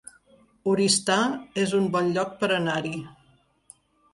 Oristà es un bon lloc per anar-hi